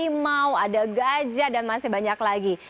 ada limau ada gajah dan masih banyak lagi